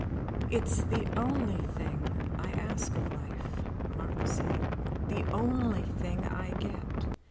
"It's the only thing I ask of life," Martha said, "the only thing I get.